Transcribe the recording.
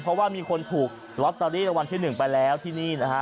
เพราะว่ามีคนถูกลอตเตอรี่รางวัลที่๑ไปแล้วที่นี่นะฮะ